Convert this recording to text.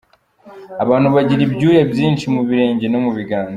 Abantu bagira ibyuya byinshi mu birenge no mu biganza.